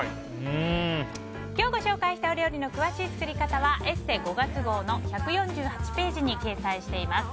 今日ご紹介したお料理の詳しい作り方は「ＥＳＳＥ」５月号の１４８ページに掲載しています。